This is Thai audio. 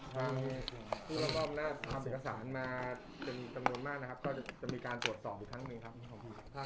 หมายถึงฆ่ากรรมตั้งแต่๒๑๑๖